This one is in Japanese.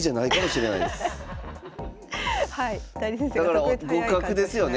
だから互角ですよね